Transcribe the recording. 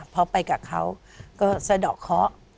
พอไปกับเขาก็สะดอกเคาะ